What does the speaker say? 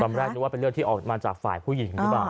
แรกนึกว่าเป็นเรื่องที่ออกมาจากฝ่ายผู้หญิงหรือเปล่า